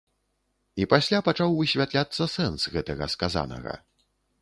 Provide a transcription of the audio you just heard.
І пасля пачаў высвятляцца сэнс гэтага сказанага.